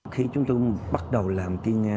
khi chúng tôi bắt đầu làm thiên nghe